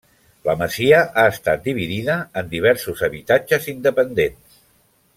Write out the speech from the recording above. La masia ha estat dividida en diversos habitatges independents.